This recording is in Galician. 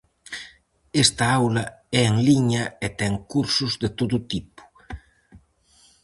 Esta aula é en liña e ten cursos de todo tipo.